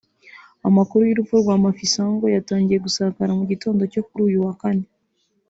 Amakuru y’urupfu rwa Mafisango yatangiye gusakara mu gitondo cyo kuri uyu wa kane